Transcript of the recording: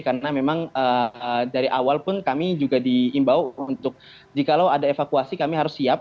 karena memang dari awal pun kami juga diimbau untuk jika ada evakuasi kami harus siap